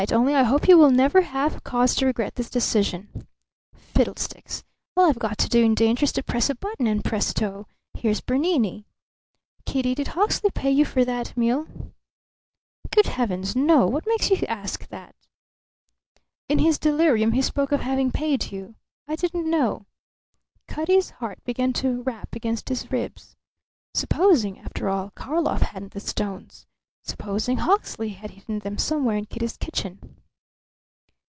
Only I hope you will never have cause to regret this decision." "Fiddlesticks! All I've got to do in danger is to press a button, and presto! here's Bernini." "Kitty, did Hawksley pay you for that meal?" "Good heavens, no! What makes you ask that?" "In his delirium he spoke of having paid you. I didn't know." Cutty's heart began to rap against his ribs. Supposing, after all, Karlov hadn't the stones? Supposing Hawksley had hidden them somewhere in Kitty's kitchen?